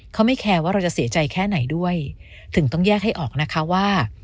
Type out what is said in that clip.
เขาไม่แคร์ว่าเราจะเสียใจแค่ไหนด้วยถึงต้องแยกให้ออกนะคะว่า